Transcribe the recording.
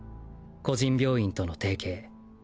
個人病院との提携。